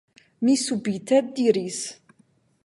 mi subite diris.